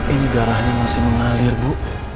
ini darahnya masih mengalir bu